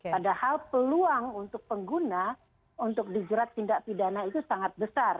padahal peluang untuk pengguna untuk dijerat tindak pidana itu sangat besar